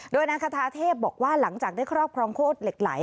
โดยนางคาทาเทพบอกว่าหลังจากได้ครอบครองโคตรเหล็กไหล